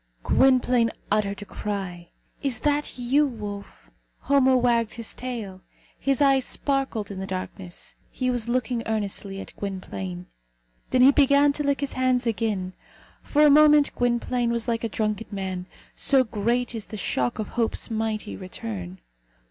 Gwynplaine uttered a cry. "Is that you, wolf?" Homo wagged his tail. His eyes sparkled in the darkness. He was looking earnestly at Gwynplaine. Then he began to lick his hands again. For a moment Gwynplaine was like a drunken man, so great is the shock of Hope's mighty return.